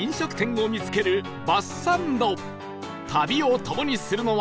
旅を共にするのは